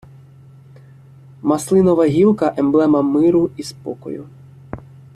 Маслинова гілка — емблема миру і спокою